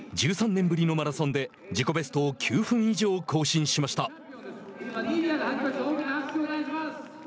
１３年ぶりのマラソンで自己ベストを９分以上更新しました。